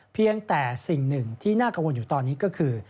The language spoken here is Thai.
เพียงแต่สิ่งหนึ่งที่น่ากังวลอยู่ตอนนี้ก็คือ